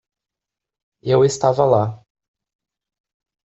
Eu estava lá.